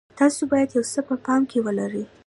تاسو باید یو څه په پام کې ولرئ.